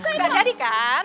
nggak jadi kan